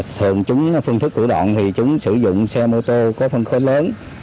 thường chúng phân thức cử động thì chúng sử dụng xe mô tô có phân khối lớn